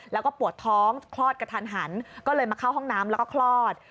แล้วก็ปวดท้องคลอดกระทันหันก็เลยมาเข้าห้องน้ำแล้วก็คลอด